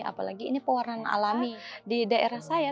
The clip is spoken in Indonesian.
apalagi ini pewarnaan alami di daerah saya